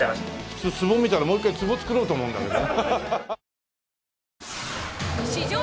普通つぼを見たらもう一回つぼを作ろうと思うんだけど。